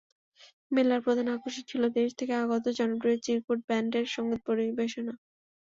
মেলার প্রধান আকর্ষণ ছিল দেশ থেকে আগত জনপ্রিয় চিরকুট ব্যান্ডের সংগীত পরিবেশনা।